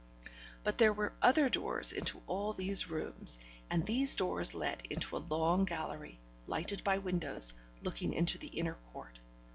But there were other doors into all these rooms, and these doors led into a long gallery, lighted by windows, looking into the inner court.